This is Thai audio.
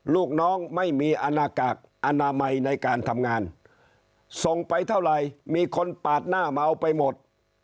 ลูกน้องไม่มีอนากากอนามัยในการทำงานส่งไปเท่าไหร่มีคนปาดหน้าเมาไปหมด